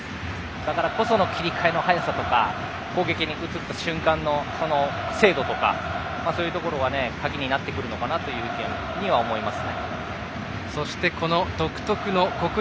だからこその切り替えの早さとか攻撃に移った瞬間の精度とかが鍵になってくるのかなと思います。